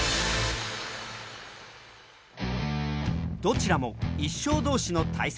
どちらも１勝同士の対戦。